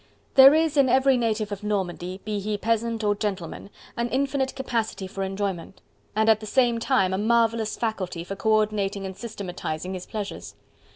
There is in every native of Normandy, be he peasant or gentleman, an infinite capacity for enjoyment, and at the same time a marvellous faculty for co ordinating and systematizing his pleasures.